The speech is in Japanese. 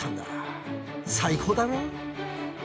最高だろ？